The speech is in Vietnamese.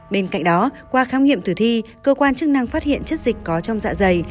bên cạnh đó qua khám nghiệm tử thi cơ quan chức năng phát hiện chất dịch có trong dạ dày